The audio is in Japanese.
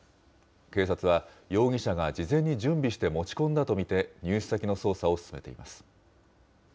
警察は容疑者が事前に準備して持ち込んだと見て、入手先の捜査を進めています。